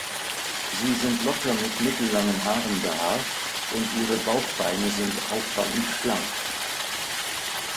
Sie sind locker mit mittellangen Haaren behaart und ihre Bauchbeine sind auffallend schlank.